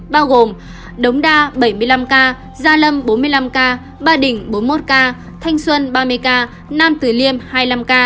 bao gồm đống đa bảy mươi năm ca gia lâm bốn mươi năm ca ba đình bốn mươi một ca thanh xuân ba mươi ca nam tử liêm hai mươi năm ca